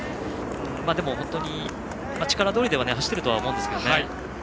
でも、本当に力どおりでは走っているとは思いますけどね。